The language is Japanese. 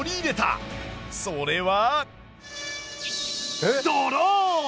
それは。